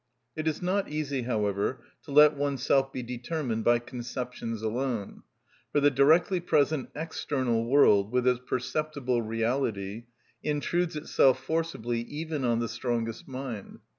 It is not easy, however, to let oneself be determined by conceptions alone; for the directly present external world, with its perceptible reality, intrudes itself forcibly even on the strongest mind.